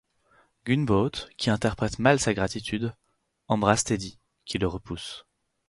Gunboat, qui interprète mal sa gratitude, embrasse Teddy, qui le repousse.